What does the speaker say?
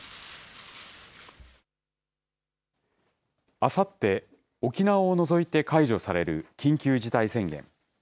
あさって、沖縄を除いて解除される緊急事態宣言。